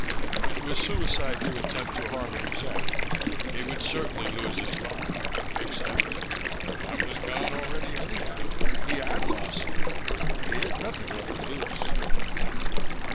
It was suicide to attempt to harm an exec. He would certainly lose his life except that was gone already anyhow; he had lost it. He had nothing left to lose.